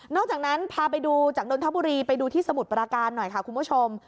จากนั้นพาไปดูจากนนทบุรีไปดูที่สมุทรปราการหน่อยค่ะคุณผู้ชม